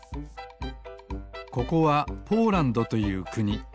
ここはポーランドというくに。